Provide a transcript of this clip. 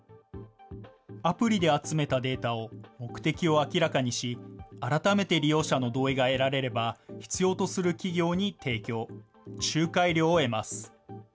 アプリで集めたデータを、目的を明らかにし、改めて利用者の同意が得られれば、必要とする企業に提供、仲介料を得ます。